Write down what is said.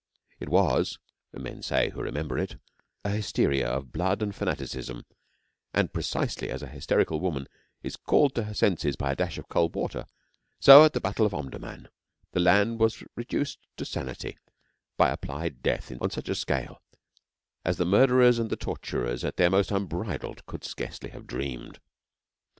It was men say who remember it a hysteria of blood and fanaticism; and precisely as an hysterical woman is called to her senses by a dash of cold water, so at the battle of Omdurman the land was reduced to sanity by applied death on such a scale as the murderers and the torturers at their most unbridled could scarcely have dreamed.